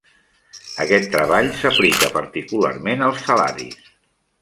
Aquest treball s'aplica particularment als salaris.